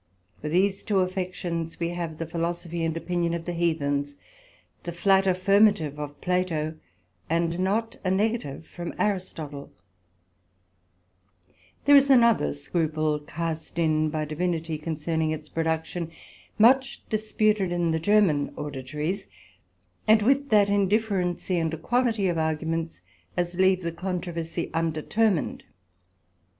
For these two affections we have the Philosophy and opinion of the Heathens, the flat affirmative of Plato, and not a negative from Aristotle: there is another scruple cast in by Divinity (concerning its production) much disputed in the Germane auditories, and with that indifferency and equality of arguments, as leave the controversie undetermined.